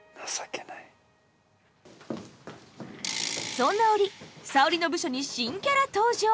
そんな折沙織の部署に新キャラ登場！